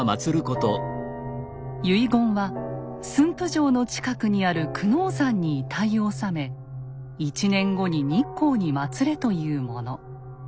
遺言は駿府城の近くにある久能山に遺体を納め１年後に日光にまつれというもの。